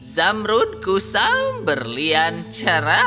zamrut kusam berlian cerah